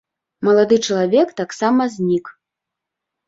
Малады чалавек таксама знік.